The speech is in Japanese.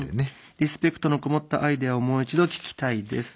「リスペクトのこもった『アイデア』をもう１度聴きたいです！！」。